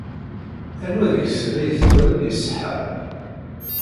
Anwa deg-sen ay tettwaliḍ iṣeḥḥa?